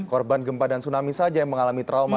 korban gempa dan tsunami saja yang mengalami trauma